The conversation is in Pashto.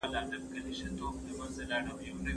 درسته مفکوره د تمدن د پرمختګ لپاره مهمه ده.